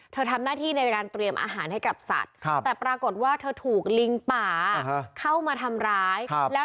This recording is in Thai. ทำหน้าที่ในการเตรียมอาหารให้กับสัตว์แต่ปรากฏว่าเธอถูกลิงป่าเข้ามาทำร้ายแล้ว